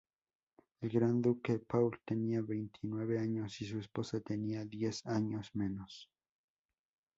El gran duque Paul tenía veintinueve años y su esposa tenía diez años menos.